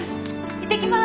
いってきます。